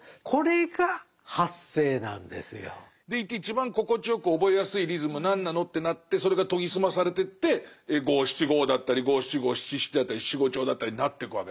でいて一番心地よく覚えやすいリズムは何なのってなってそれが研ぎ澄まされてって五・七・五だったり五・七・五・七・七だったり七五調だったりになってくわけだから。